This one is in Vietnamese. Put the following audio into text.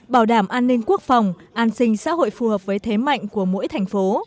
bảo đảm an ninh quốc phòng an sinh xã hội phù hợp với thế mạnh của mỗi thành phố